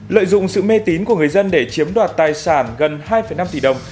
lợi dụng sự mê tín của người dân để chiếm đoạt tài sản gần hai năm tỷ đồng